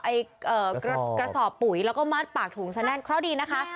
ไอ้เอ่อกระสอบปุ๋ยแล้วก็มัดปากถุงแสดงเขาดีนะคะ